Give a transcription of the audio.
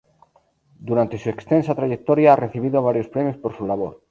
Durante su extensa trayectoria, ha recibido varios premios por su labor.